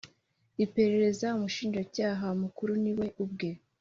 iperereza Umushinjacyaha Mukuru ni we ubwe